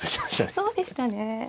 そうでしたね。